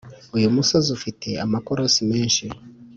uyu musozi ufite amakorosi meshi